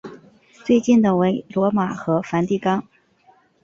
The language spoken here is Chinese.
最近的为罗马和梵蒂冈。